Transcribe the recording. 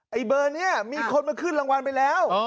ไอเบอร์นี้มีคนมาขึ้นรางวัลไปแล้ว